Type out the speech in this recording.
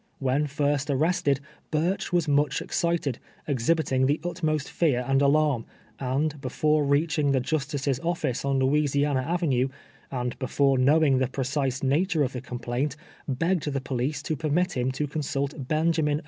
When first arrested, Burch was much excited, exliiliiting the utmost fear and alarm, and be fore reaching the justice's office on Louisiana Ave nue, and before knowing tlie precise nature of the complaint, begged the police to permit him to consult Benjamin